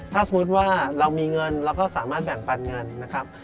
ถ้าสมมุติว่าเรามีเงินเราก็สามารถแบ่งปันเงินนะครับ